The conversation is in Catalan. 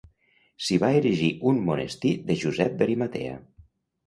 S'hi va erigir un monestir de Josep d'Arimatea.